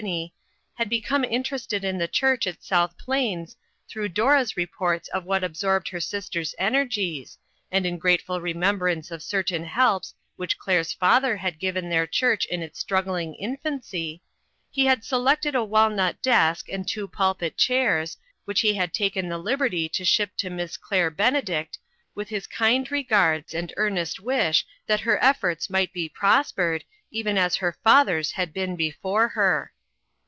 had become in terested in the church at South Plains, through Dora's reports of what absorbed her sister's energies, and in grateful remem brance of certain helps which Claire's father had given their church in its struggling in fancy, he had selected a walnut desk and two pulpit chairs, which he had taken the liberty to ship to Miss Claire Benedict, with his kind regards and earnest wish that her efforts might be prospered, even as her fath er's had been before her.